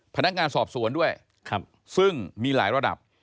พนักงานสอบสวนด้วยซึ่งมีหลายระดับ